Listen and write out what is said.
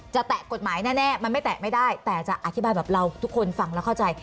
แตะกฎหมายแน่มันไม่แตะไม่ได้แต่จะอธิบายแบบเราทุกคนฟังแล้วเข้าใจ